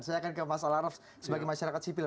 saya akan ke mas al araf sebagai masyarakat sipil